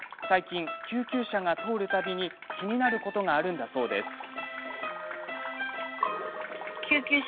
最近、救急車が通るたびに気になることがあるんだそうです。